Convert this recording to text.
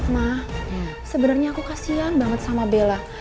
mak sebenarnya aku kasian banget sama bella